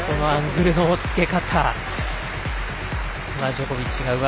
アングルのつけ方。